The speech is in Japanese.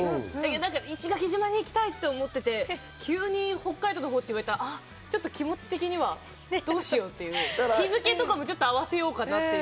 石垣島に行きたいって思ってて、急に北海道のほうって言われたら、ちょっと気持ち的にはどうしようっていう、日付とかも合わせようかなっていう。